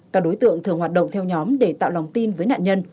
các đối tượng thường hoạt động theo nhóm để tạo lòng tin với nạn nhân